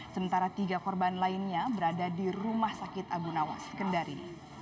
sementara tiga korban lainnya berada di rumah sakit abu nawas kendari